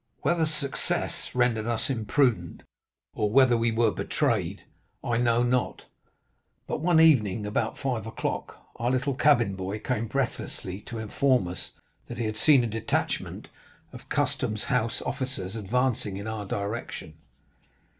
"Whether success rendered us imprudent, or whether we were betrayed, I know not; but one evening, about five o'clock, our little cabin boy came breathlessly, to inform us that he had seen a detachment of custom house officers advancing in our direction.